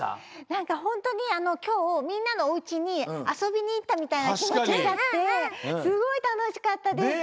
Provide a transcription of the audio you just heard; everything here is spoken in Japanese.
なんかほんとにきょうみんなのおうちにあそびにいったみたいなきもちになってすごいたのしかったです。